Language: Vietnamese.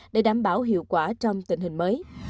để đảm bảo hiệu quả trong tình hình mới